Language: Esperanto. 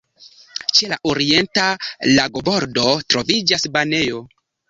Ĉe la orienta lagobordo troviĝas banejo.